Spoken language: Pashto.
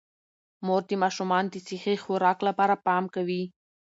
مور د ماشومانو د صحي خوراک لپاره پام کوي